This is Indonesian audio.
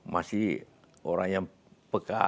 masih orang yang peka